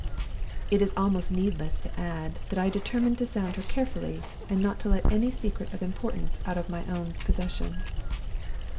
It is almost needless to add that I determined to sound her carefully, and not to let any secret of importance out of my own possession.